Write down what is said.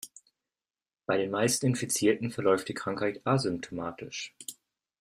Bei den meisten Infizierten verläuft die Krankheit asymptomatisch.